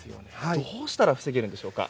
どうしたら防げるんでしょうか。